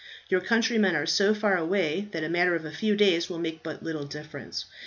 Your countrymen are so far away that a matter of a few days will make but little difference.